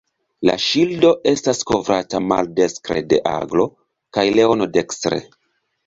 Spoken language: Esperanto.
La ŝildo estas kovrata maldekstre de aglo kaj leono dekstre.